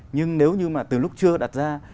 nhưng nếu như mà từ lúc chưa đặt ra